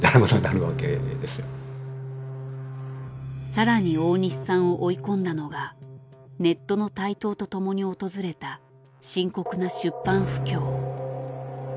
さらに大西さんを追い込んだのがネットの台頭とともに訪れた深刻な出版不況。